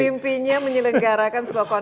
mimpinya menyelenggarakan sebuah konferensi